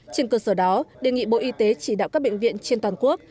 trên cơ sở đó đề nghị bộ y tế chỉ đạo các bệnh viện trên toàn quốc